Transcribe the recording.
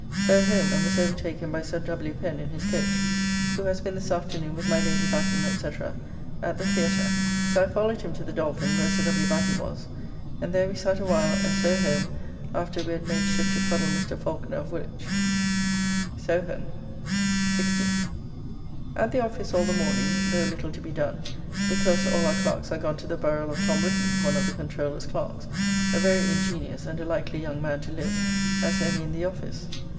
So home and was overtaken by Sir W. Pen in his coach, who has been this afternoon with my Lady Batten, &c., at the Theatre. So I followed him to the Dolphin, where Sir W. Batten was, and there we sat awhile, and so home after we had made shift to fuddle Mr. Falconer of Woolwich. So home. 16th. At the office all the morning, though little to be done; because all our clerks are gone to the buriall of Tom Whitton, one of the Controller's clerks, a very ingenious, and a likely young man to live, as any in the Office.